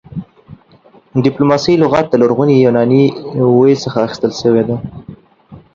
ډيپلوماسۍ لغت د لرغوني يوناني ویي څخه اخيستل شوی دی